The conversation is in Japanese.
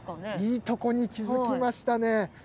いいところに気付きましたね。